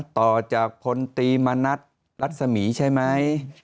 ต่อจากพลตีมณัฐรัศมีใช่ไหม